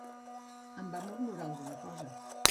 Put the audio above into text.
Em va murmurar alguna cosa.